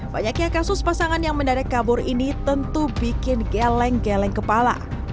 banyaknya kasus pasangan yang mendadak kabur ini tentu bikin geleng geleng kepala